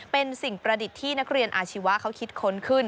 เป็นสิ่งประดิษฐ์ที่นักเรียนอาชีวะเขาคิดค้นขึ้น